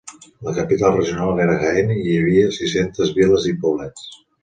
La capital regional era Jaén i hi havia sis-centes viles i poblets.